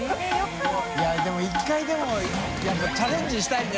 いでも１回でもやっぱチャレンジしたいね。